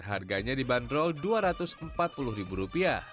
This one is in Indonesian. harganya dibanderol rp dua ratus empat puluh